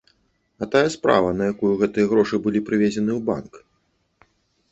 А тая справа, на якую гэтыя грошы былі прывезены ў банк?